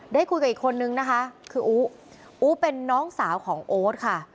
ได้คุยกับอีกคนนึงนะคะคืออู๋อู๋เป็นน้องสาวของโอ๊ตค่ะ